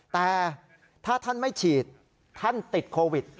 แต่ถ้าท่านไม่ฉีดท่านติดโควิด